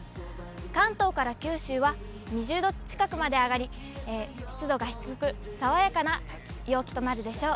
関東から九州は２０度近くまで上がり、湿度が低く、爽やかな陽気となるでしょう。